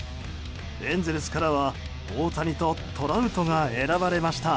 エンゼルスからは大谷とトラウトが選ばれました。